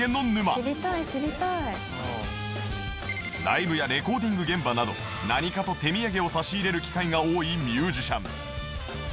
ライブやレコーディング現場など何かと手土産を差し入れる機会が多いミュージシャン